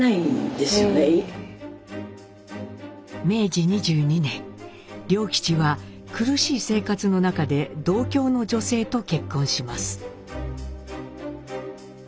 明治２２年良吉は苦しい生活の中で同郷の女性と結婚します。